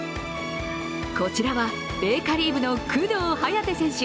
こちらはベーカリー部の工藤颯選手。